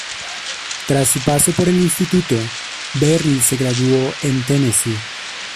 Tras su paso por el instituto, Berry se graduó en Tennessee.